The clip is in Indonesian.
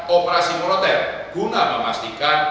operasi moneter guna memastikan